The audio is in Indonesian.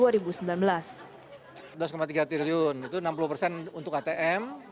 dua tiga triliun itu enam puluh persen untuk atm